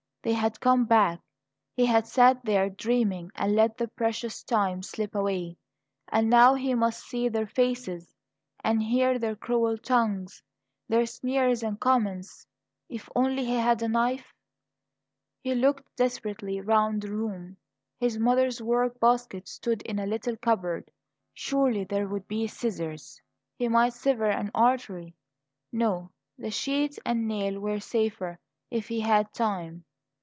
They had come back he had sat there dreaming, and let the precious time slip away and now he must see their faces and hear their cruel tongues their sneers and comments If only he had a knife He looked desperately round the room. His mother's work basket stood in a little cupboard; surely there would be scissors; he might sever an artery. No; the sheet and nail were safer, if he had time.